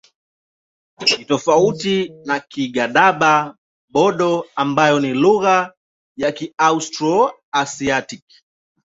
Ni tofauti na Kigadaba-Bodo ambayo ni lugha ya Kiaustro-Asiatiki.